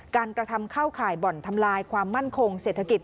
กระทำเข้าข่ายบ่อนทำลายความมั่นคงเศรษฐกิจ